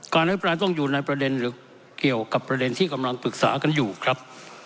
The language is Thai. อภิปรายต้องอยู่ในประเด็นหรือเกี่ยวกับประเด็นที่กำลังปรึกษากันอยู่ครับ